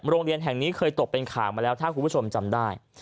โรงเรียนแห่งนี้เคยตกเป็นข่าวมาแล้วถ้าคุณผู้ชมจำได้